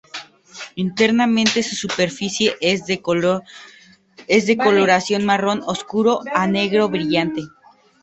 Internamente su superficie es de coloración marrón oscuro a negro brillante.